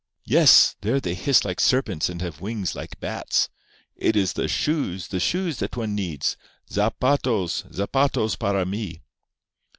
Yes! There they hiss like serpents, and have wings like bats. It is the shoes—the shoes that one needs! _Zapatos—zapatos para mi!